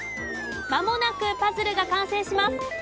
まもなくパズルが完成します。